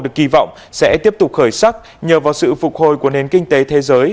được kỳ vọng sẽ tiếp tục khởi sắc nhờ vào sự phục hồi của nền kinh tế thế giới